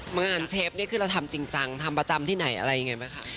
บางงานเชฟณี่คือเราทำจริงซังทางประจำที่ไหนอะไรไงไหมคะ